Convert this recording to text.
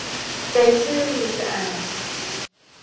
ใจซื่อมือสะอาด